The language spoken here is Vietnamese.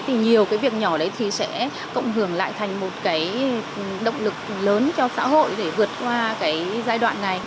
thì nhiều cái việc nhỏ đấy thì sẽ cộng hưởng lại thành một cái động lực lớn cho xã hội để vượt qua cái giai đoạn này